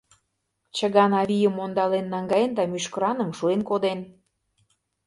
Чыган авийым ондален наҥгаен да мӱшкыраным шуэн коден.